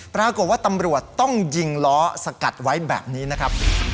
ปรากฏว่าตำรวจต้องยิงล้อสกัดไว้แบบนี้นะครับ